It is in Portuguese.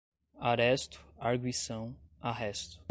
aresto, arguição, arresto